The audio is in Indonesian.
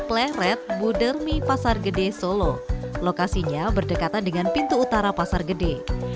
pleret budermi pasar gede solo lokasinya berdekatan dengan pintu utara pasar gede